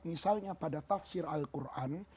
misalnya pada tafsir al quran